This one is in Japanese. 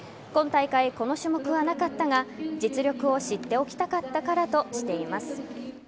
今大会、この種目はなかったが実力を知っておきたかったからとしています。